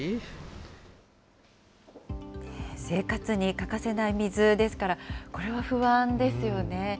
欠かせない水ですから、これは不安ですよね。